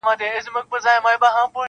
• زه د قسمت او هغه زما په ژبه ښه پوهیږي -